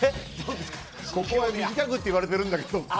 ここは短くと言われてるんだけど。